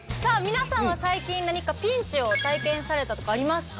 皆さんは最近何かピンチを体験されたとかありますか？